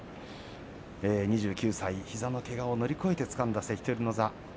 ２９歳、膝のけがを乗り越えてつかんだ関取の座。